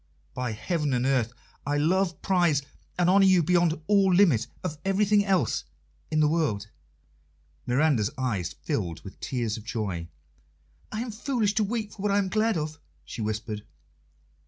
"By heaven and earth, I love, prize, and honour you beyond all limit of everything else in the world!" Miranda's eyes filled with tears of joy. "I am foolish to weep for what I am glad of," she whispered.